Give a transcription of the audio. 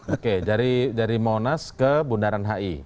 oke dari monas ke bundaran hi